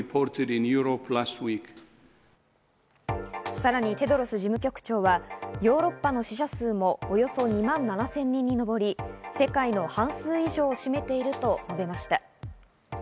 さらにテドロス事務局長はヨーロッパの死者数もおよそ２万７０００人に上り、世界の半数以上を占めていると述べました。